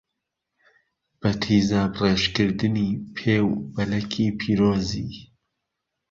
بە تیزابڕێژکردنی پێ و بەلەکی پیرۆزی